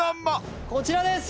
こちらです！